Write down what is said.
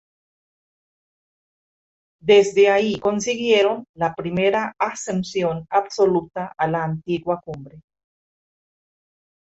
Desde ahí consiguieron la primera ascensión absoluta a la antigua cumbre.